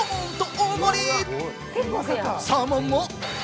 大盛り！